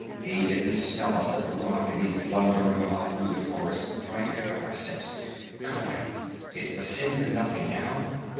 "He didn't smell us at the rock, and he's blundering about through the forest trying to pick up our scent. Come on! It's the city or nothing now!